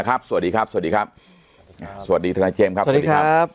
สวัสดีครับสวัสดีครับสวัสดีทนายเจมส์ครับสวัสดีครับ